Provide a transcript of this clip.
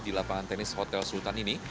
di lapangan tenis hotel sultan ini